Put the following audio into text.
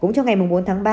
cũng trong ngày bốn tháng ba